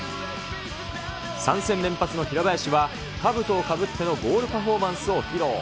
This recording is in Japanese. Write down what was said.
３戦連発の平林はかぶとをかぶってのゴールパフォーマンスを披露。